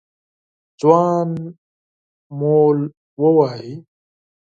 ځوان مول وواهه.